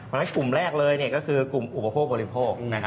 นะครับกลุ่มแรกเลยก็คือกลุ่มอุปโภคบริโภค